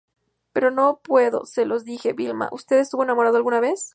pero no puedo. se lo dije a Vilma. ¿ usted estuvo enamorado alguna vez?